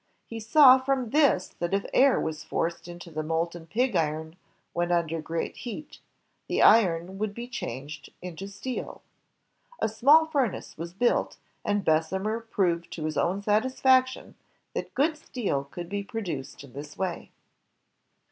He saw from this that if air was forced into the molten pig iron when under great heat, the iron would be changed into steel. A small furnace was built, and Bessemer proved to his own satisfaction that good steel could be produced in this way.